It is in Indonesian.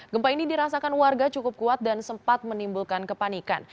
gempa ini dirasakan warga cukup kuat dan sempat menimbulkan kepanikan